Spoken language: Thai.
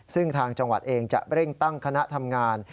ซึ่งทางจังหวัดเองจะเร่งตั้งคณะทำงาน